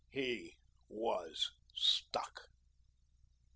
He was stuck.